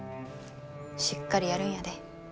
しっかりやるんやで。